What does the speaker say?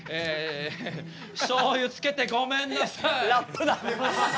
しょうゆつけてごめんなさいラップだ！